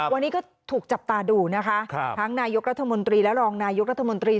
วันนี้ก็ถูกจับตาดูนะคะทั้งนายกรัฐมนตรีและรองนายกรัฐมนตรี